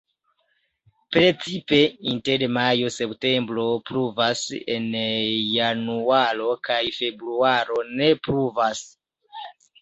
Precipe inter majo-septembro pluvas; en januaro kaj februaro ne pluvas.